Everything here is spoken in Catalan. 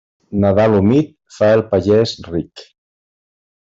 Nadal humit fa el pagès ric.